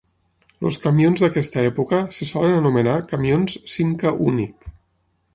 Els camions d'aquesta època se solen anomenar camions Simca Unic.